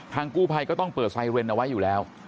กู้ภัยก็ต้องเปิดไซเรนเอาไว้อยู่แล้ว